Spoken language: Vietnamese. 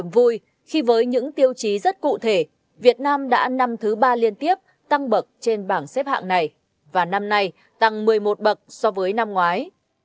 với những tiêu chí rất cụ thể việt nam đã năm thứ ba liên tiếp tăng bậc trên bảng xếp hạng này và năm nay tăng một mươi một bậc so với năm ngoái